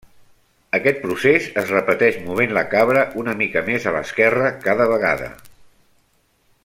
Aquest procés es repeteix movent la cabra una mica més a l'esquerra cada vegada.